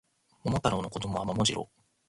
桃太郎の子供は桃次郎